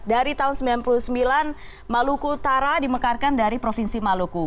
dari tahun seribu sembilan ratus sembilan puluh sembilan maluku utara dimekarkan dari provinsi maluku